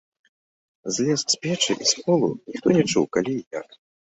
Злез з печы і з полу, ніхто не чуў, калі і як.